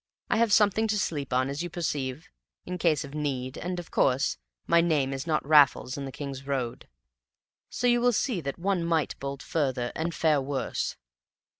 I have something to sleep on, as you perceive, in case of need, and, of course, my name is not Raffles in the King's Road. So you will see that one might bolt further and fare worse."